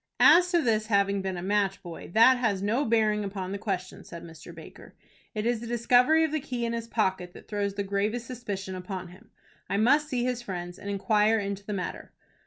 "As to his having been a match boy, that has no bearing upon the question," said Mr. Baker. "It is the discovery of the key in his pocket that throws the gravest suspicion upon him. I must see his friends, and inquire into the matter."